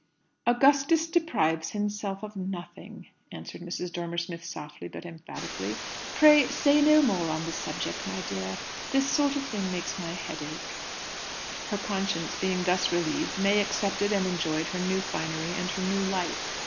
"Augustus deprives himself of nothing," answered Mrs. Dormer Smith softly, but emphatically. "Pray say no more on the subject, my dear. This sort of thing makes my head ache." Her conscience being thus relieved, May accepted and enjoyed her new finery and her new life.